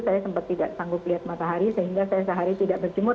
saya sempat tidak sanggup lihat matahari sehingga saya sehari tidak berjemur